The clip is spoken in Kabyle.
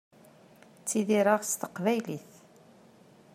Ttidireɣ s teqbaylit.